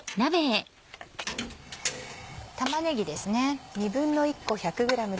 玉ねぎですね。